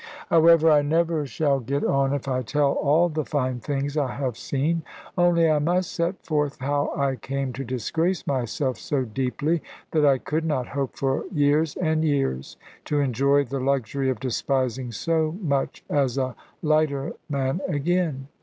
However, I never shall get on if I tell all the fine things I have seen. Only I must set forth how I came to disgrace myself so deeply that I could not hope for years and years to enjoy the luxury of despising so much as a lighterman again.